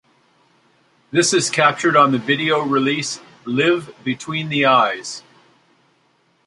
This is captured on the video release "Live Between the Eyes".